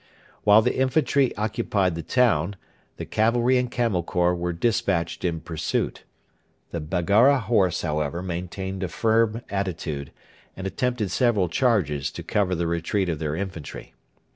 While the infantry occupied the town the cavalry and Camel Corps were despatched in pursuit. The Baggara horse, however, maintained a firm attitude, and attempted several charges to cover the retreat of their infantry.